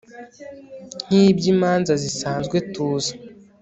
nk iby imanza zisanzwe tuzi